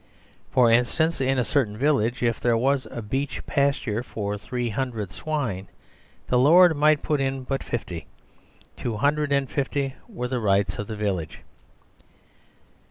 For instance, in a certain village, if there was beech pasture for three hundred swine, the lord might put in but fifty : two hundred and fifty were the rights of the " village."